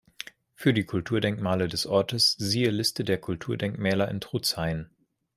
Für die Kulturdenkmale des Ortes siehe Liste der Kulturdenkmäler in Trutzhain.